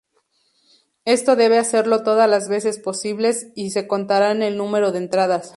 Esto debe hacerlo todas las veces posibles, y se contarán el número de entradas.